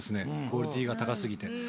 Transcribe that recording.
クオリティーが高過ぎて。